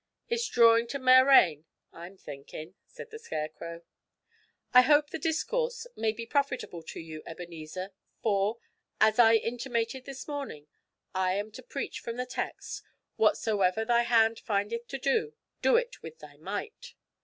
It's drawing to mair rain, I'm thinkin'!' said the Scarecrow. 'I hope the discourse may be profitable to you, Ebenezer, for, as I intimated this morning, I am to preach from the text, "Whatsoever thy hand findeth to do, do it with thy might."'